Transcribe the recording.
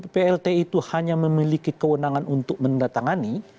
plt itu hanya memiliki kewenangan untuk mendatangani